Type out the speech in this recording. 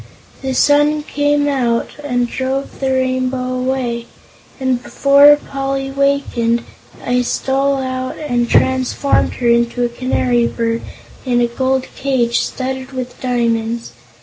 The sun came out and drove the Rainbow away, and before Poly wakened, I stole out and transformed her into a canary bird in a gold cage studded with diamonds.